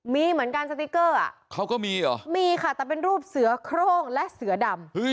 มีเหมือนกันสติ๊กเกอร์เขาก็มีเหรอมีค่ะแต่เป็นรูปเสือโครงและเสือดำ